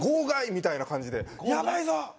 みたいな感じでやばいぞ！